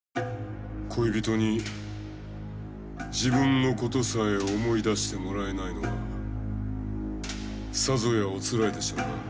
恋人に自分のことさえ思い出してもらえないのはさぞやおつらいでしょうな。